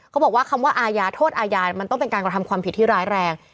บอกว่าคำว่าอาญาโทษอาญามันต้องเป็นการกระทำความผิดที่ร้ายแรง